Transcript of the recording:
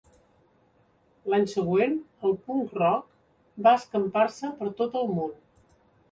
L'any següent el punk rock va escampar-se per tot el món.